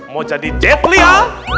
mau jadi jet li ah